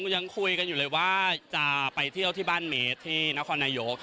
ยังคุยกันอยู่เลยว่าจะไปเที่ยวที่บ้านเมตรที่นครนายก